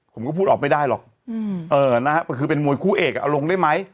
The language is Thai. ผมก็พูดออกไม่ได้หรอกนะฮะคือเป็นมวยคู่เอกเอาลงได้ไหม